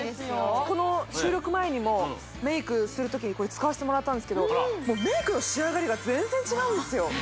この収録前にもメイクする時に使わせてもらったんですけどもうメイクの仕上がりが全然違うんですよ